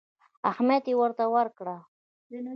اهمیت یې ورته ورکړ.